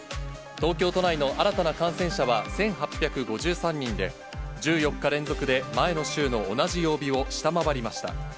東京都内の新たな感染者は１８５３人で、１４日連続で前の週の同じ曜日を下回りました。